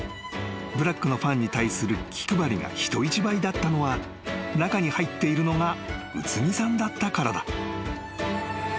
ブラックのファンに対する気配りが人一倍だったのは中に入っているのが卯都木さんだったからだ］